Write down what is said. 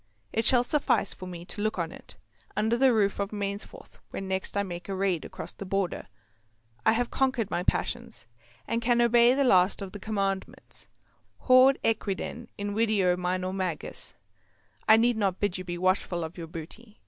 It shall suffice for me to look on it, under the roof of Mainsforth, when next I make a raid across the Border. I have conquered my passions, and can obey the last of the Commandments. Haud equiden invideo, minor magis. I need not bid you be watchful of your booty.